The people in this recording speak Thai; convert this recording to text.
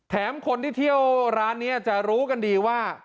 คนที่เที่ยวร้านนี้จะรู้กันดีว่า